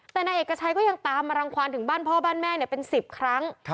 แต่นายเอกชัยก็ยังตามมารังความถึงบ้านพ่อบ้านแม่เป็น๑๐ครั้ง